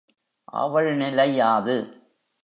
அவள் நிலை யாது?